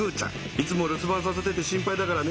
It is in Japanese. いつもるすばんさせてて心配だからね